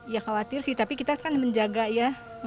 ya khawatir sih tapi kita kan menjaga ya